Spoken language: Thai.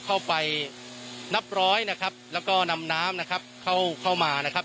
เข้าไปนับร้อยนะครับแล้วก็นำน้ำนะครับเข้าเข้ามานะครับ